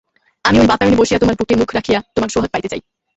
আমি ওই বাতায়নে বসিয়া তোমার বুকে মুখ রাখিয়া তোমার সোহাগ পাইতে চাই।